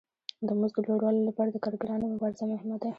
د مزد د لوړوالي لپاره د کارګرانو مبارزه مهمه ده